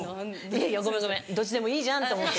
ごめんごめんどっちでもいいじゃんって思って。